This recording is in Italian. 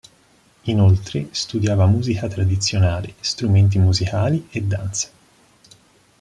Inoltre, studiava musica tradizionale, strumenti musicali e danza.